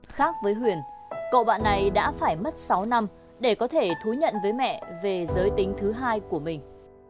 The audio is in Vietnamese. khác với huyền cậu bạn này đã phải mất sáu năm để có thể thú nhận với mẹ về giới tính thứ hai của mình